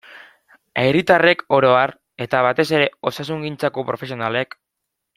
Herritarrek oro har, eta batez osasungintzako profesionalek.